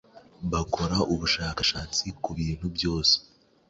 bakora ubushakashatsi ku bintu byose.